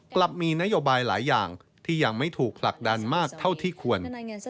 กลับมีนโยบายหลายอย่างที่ยังไม่ถูกผลักดันมากเท่าที่ควร